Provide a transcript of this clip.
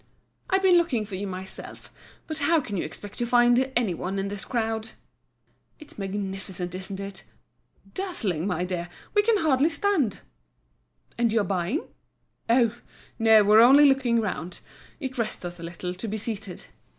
"I've been looking for you myself. But how can you expect to find any one in this crowd?" "It's magnificent, isn't it?" "Dazzling, my dear. We can hardly stand." "And you're buying?" "Oh! no, we're only looking round. It rests us a little to be seated."